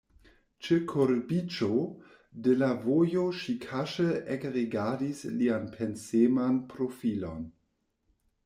Ĉe kurbiĝo de la vojo ŝi kaŝe ekrigardis lian penseman profilon.